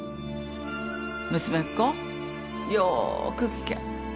娘っ子よーく聞け。